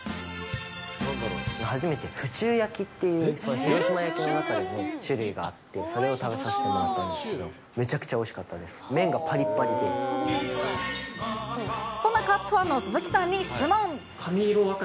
初めて府中焼きっていう、広島焼の中でも、種類があって、それを食べさせてもらったんですけど、めちゃくちゃおいしかったそんなカープファンの鈴木さんに質問。